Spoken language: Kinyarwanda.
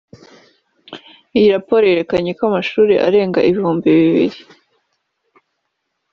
Iyi raporo yerekanye ko amashuri arenga ibihumbi bibiri